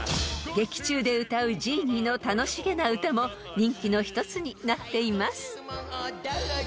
［劇中で歌うジーニーの楽しげな歌も人気の一つになっています］